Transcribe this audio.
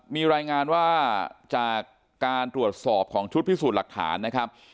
มีรายงานว่าจากการตรวจสอบของชุดพิสูจน์หลักฐานนะครับ